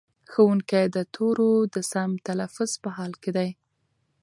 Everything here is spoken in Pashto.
ښوونکی د تورو د سم تلفظ په حال کې دی.